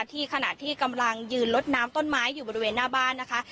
ขณะที่กำลังยืนลดน้ำต้นไม้อยู่บริเวณหน้าบ้านนะคะ